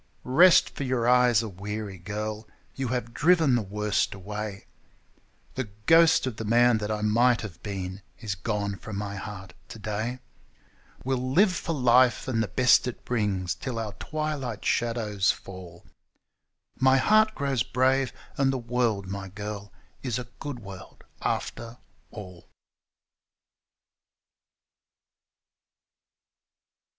Rest, for your eyes are weary, girl — you have driven the worst away — The ghost of the man that I might have been is gone from my heart to day; We'll live for life and the best it brings till our twilight shadows fall; My heart grows brave, and the world, my girl, is a good world after all.